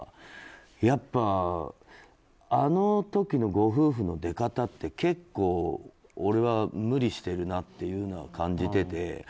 やっぱりあの時のご夫婦の出方って結構俺は無理してるなっていうのは感じてて。